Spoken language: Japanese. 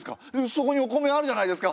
そこにお米あるじゃないですか！